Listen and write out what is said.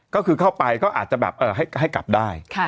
ก็คือเข้าไปก็อาจจะแบบให้กลับได้